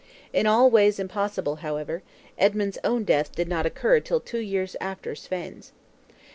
In all ways impossible, however, Edmund's own death did not occur till two years after Svein's.